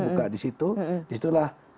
buka disitu disitulah